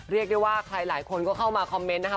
เรียกได้ว่าใครหลายคนก็เข้ามาคอมเมนต์นะคะ